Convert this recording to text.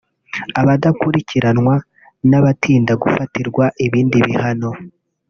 abadakurikiranwa n’abatinda gufatirwa ibindi bihano